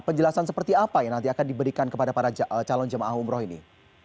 penjelasan seperti apa yang nanti akan diberikan kepada para calon jemaah umroh ini